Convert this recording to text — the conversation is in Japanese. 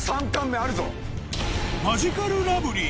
マヂカルラブリー